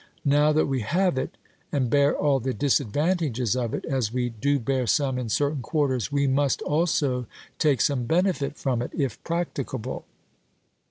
Now that we have it, and bear all the disadvantages of it (as we do bear some in certain quarters), we must also take some benefit from it, if practicable.